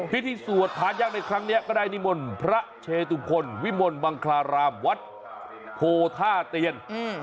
พิธีสวดพาญักษ์ในครั้งนี้ก็ได้ในมลพระเชตุคนวิมลบังคลารามวัฒน์โทษธาเตียน